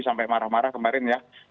sampai marah marah kemarin ya